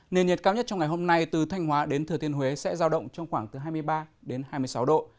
nền nhiệt cao nhất trong ngày hôm nay từ thanh hóa đến thừa thiên huế sẽ dao động trong khoảng hai mươi ba hai mươi sáu độ